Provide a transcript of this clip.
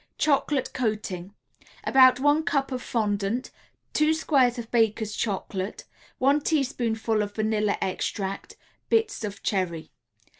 CHOCOLATE COATING About one cup of fondant, 2 squares of Baker's Chocolate, 1 teaspoonful of vanilla extract, Bits of cherry.